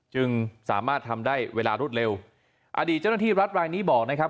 จึงสามารถทำได้เวลารวดเร็วอดีตเจ้าหน้าที่รัฐรายนี้บอกนะครับ